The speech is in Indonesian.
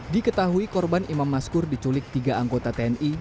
diketahui korban imam maskur diculik tiga anggota tni